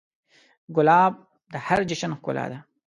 ګلاب د هر جشن ښکلا ده.